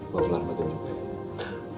maaf lah herbatin juga ya